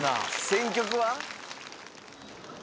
選曲は？